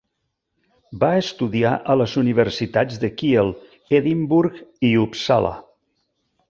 Va estudiar a les universitats de Kiel, Edimburg i Uppsala.